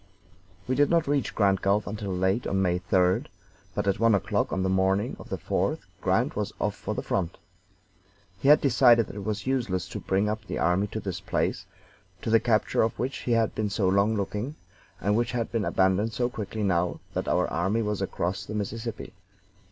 We did not reach Grand Gulf until late on May 3d, but at one o'clock on the morning of the 4th Grant was off for the front. He had decided that it was useless to bring up the army to this place, to the capture of which we had been so long looking, and which had been abandoned so quickly now that our army was across the Mississippi.